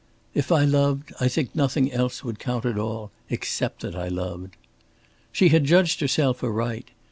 "If I loved, I think nothing else would count at all except that I loved." She had judged herself aright.